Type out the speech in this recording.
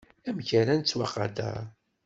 Amek ara nettwaqader.